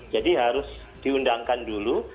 jadi harus diundangkan dulu